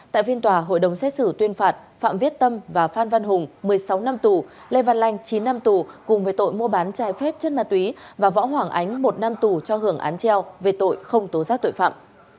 tại phiên tòa hội đồng xét xử tuyên phạt phạm viết tâm và phan văn hùng một mươi sáu năm tù lê văn lanh chín năm tù cùng về tội mua bán trái phép chất ma túy và võ hoàng ánh một năm tù cho hưởng án treo về tội không tố giác tội phạm